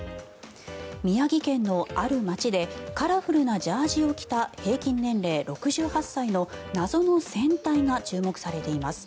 宮城県のある町でカラフルなジャージーを着た平均年齢６８歳の謎の戦隊が注目されています。